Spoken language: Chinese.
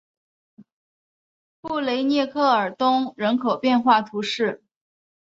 布雷涅科尔东人口变化图示